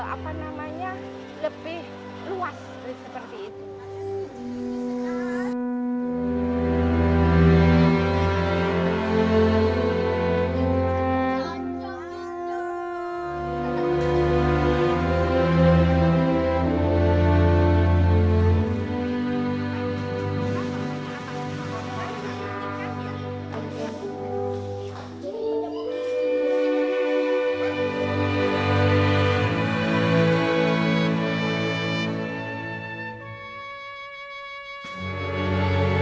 apa namanya lebih luas lebih seperti itu